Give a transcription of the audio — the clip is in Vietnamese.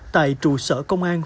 tại trụ sở công an